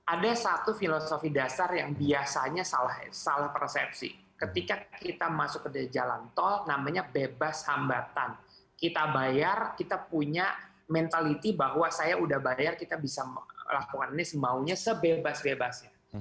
ada satu filosofi dasar yang biasanya salah persepsi ketika kita masuk ke jalan tol namanya bebas hambatan kita bayar kita punya mentality bahwa saya udah bayar kita bisa melakukan ini semaunya sebebas bebasnya